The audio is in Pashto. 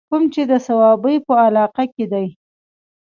کوم چې د صوابۍ پۀ علاقه کښې دے